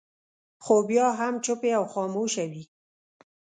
خو بیا هم چوپې او خاموشه وي.